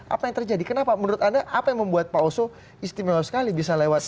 apa yang terjadi kenapa menurut anda apa yang membuat pak oso istimewa sekali bisa lewat